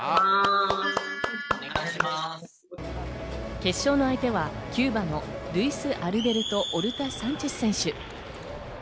決勝の相手はキューバのルイス・アルベルト・オルタ・サンチェス選手。